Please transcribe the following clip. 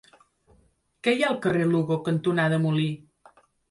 Què hi ha al carrer Lugo cantonada Molí?